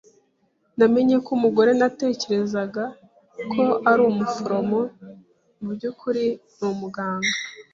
Namenye ko umugore natekerezaga ko ari umuforomo, mubyukuri, ni umuganga.